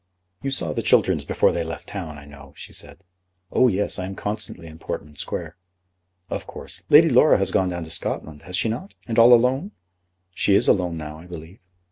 "You saw the Chilterns before they left town, I know," she said. "Oh, yes. I am constantly in Portman Square." "Of course. Lady Laura has gone down to Scotland; has she not; and all alone?" "She is alone now, I believe."